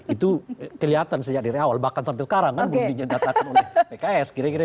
itu kelihatan sejak dari awal bahkan sampai sekarang kan belum dinyatakan pks kira kira